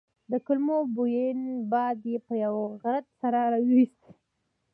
د کولمو بوین باد یې په یوه غرت سره وايستلو.